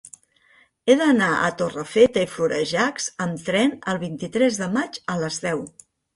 He d'anar a Torrefeta i Florejacs amb tren el vint-i-tres de maig a les deu.